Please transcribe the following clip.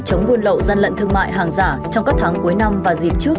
chống buôn lậu gian lận thương mại hàng giả trong các tháng cuối năm và dịp trước